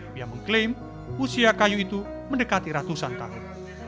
dia mengklaim usia kayu itu mendekati ratusan tahun